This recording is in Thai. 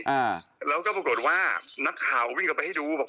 อ่าแล้วก็บอกว่านักข่าววิ่งกลับไปให้ดูบอกพี่หนุ่มพี่หนุ่มเนี้ย